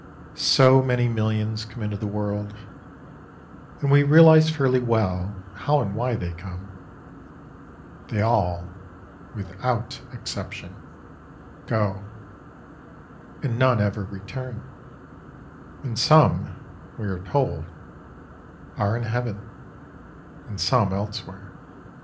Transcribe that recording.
So many millions come into the world, and we realise fairly well how and why they come; they all, without exception, go, and none ever return, and some, we are told, are in heaven, and some elsewhere.